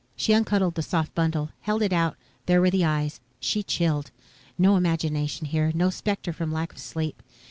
She uncuddled the soft bundle, held it out. There were the eyes. She chilled. No imagination here. No spectre from lack of sleep.